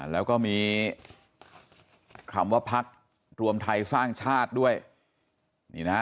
แล้วก็มีคำว่าพักรวมไทยสร้างชาติด้วยนี่นะฮะ